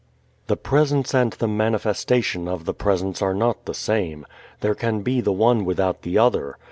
The Presence and the manifestation of the Presence are not the same. There can be the one without the other.